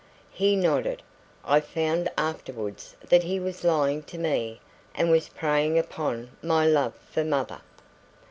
"He nodded. I found afterwards that he was lying to me and was preying upon my love for mother.